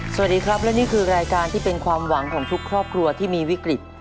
สวัสดีครับและนี่คือรายการที่เป็นความหวังของทุกครอบครัวที่มีวิกฤต